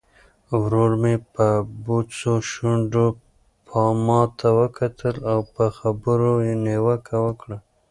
ورور مې په بوڅو شونډو ماته وکتل او په خبرو یې نیوکه وکړه.